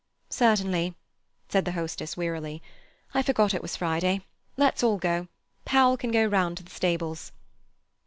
"Certainly," said the hostess wearily. "I forgot it was Friday. Let's all go. Powell can go round to the stables."